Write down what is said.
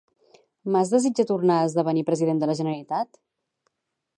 Mas desitja tornar a esdevenir president de la Generalitat?